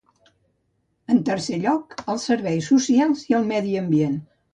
En tercer lloc, els serveis socials i el medi ambient.